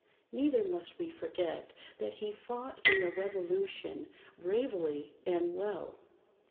Neither must we forget that he fought in the Revolution, bravely and well.